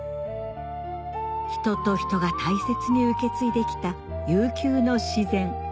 人と人が大切に受け継いできた悠久の自然